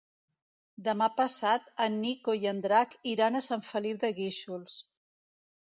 Demà passat en Nico i en Drac iran a Sant Feliu de Guíxols.